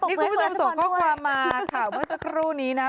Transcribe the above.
นี่คุณผู้ชมส่งข้อความมาข่าวเมื่อสักครู่นี้นะ